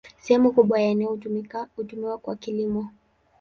Sehemu kubwa ya eneo hutumiwa kwa kilimo.